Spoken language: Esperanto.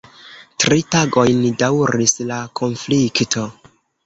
Tri tagojn daŭris la konflikto.